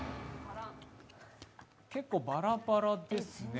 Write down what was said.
結構バラバラですね。